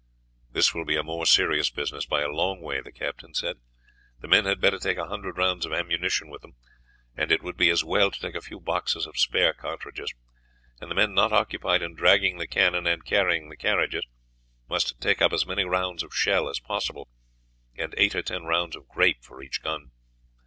"This will be a more serious business by a long way," the captain said. "The men had better take a hundred rounds of ammunition with them, and it would be as well to take a few boxes of spare cartridges; and the men not occupied in dragging the cannon and carrying the carriages, must take up as many rounds of shell as possible, and eight or ten rounds of grape for each gun.